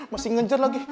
masih ngejar lagi